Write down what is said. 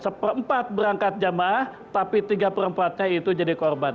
seperempat berangkat jemaah tapi tiga perempatnya itu jadi korban